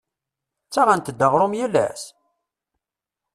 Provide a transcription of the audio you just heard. Ttaɣent-d aɣrum yal ass?